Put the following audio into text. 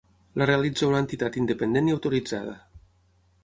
La realitza una entitat independent i autoritzada.